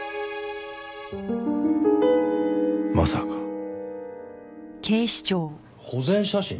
まさか保全写真？